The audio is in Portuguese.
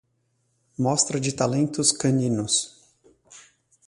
Mostra de talentos caninos